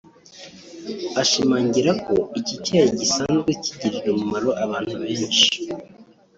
Ashimangira ko iki cyayi gisanzwe kigirira umumaro abantu benshi